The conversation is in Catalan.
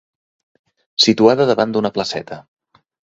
Situada davant d'una placeta.